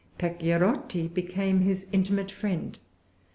Pachierotti became his intimate friend.